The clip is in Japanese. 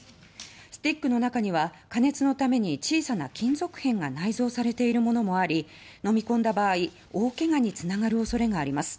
スティックの中には加熱のために小さな金属片が内蔵されているものもあり飲み込んだ場合大怪我に繋がるおそれがあります。